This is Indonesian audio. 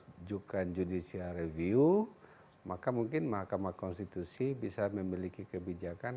mengajukan judicial review maka mungkin mahkamah konstitusi bisa memiliki kebijakan